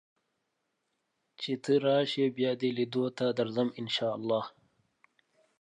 چې ته راشې بیا دې لیدو ته درځم ان شاء الله